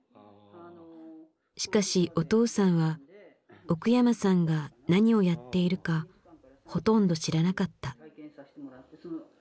しかしお父さんは奥山さんが何をやっているかほとんど知らなかった。